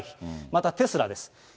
またテスラです。